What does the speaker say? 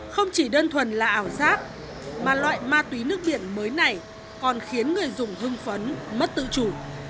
không chỉ đơn thuần là ảo giác mà loại ma túy nước biển mới này còn khiến người dùng hưng phấn mất tự chủ